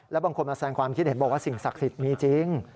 แล้วบางคนมาแสงความคิดเห็นบอกว่าสิ่งศักดิ์สิทธิ์มีจริง